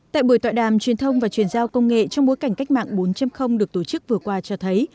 tại buổi tọa đàm truyền thông và truyền giao công nghệ trong bối cảnh cách mạng bốn được tổ chức vừa qua cho thấy